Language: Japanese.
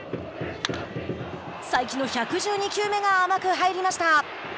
才木の１１２球目が甘く入りました。